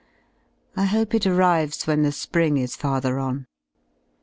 I hope it arrives when the spring is farther on.